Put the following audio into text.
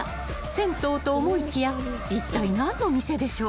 ［銭湯と思いきやいったい何の店でしょう？